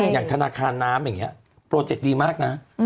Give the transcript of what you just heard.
อย่างธนาคารน้ำอย่างนี้โปรเจคดีมากนะ